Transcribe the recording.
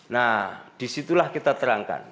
nah disitulah kita terangkan